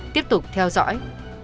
tiếp tục theo dõi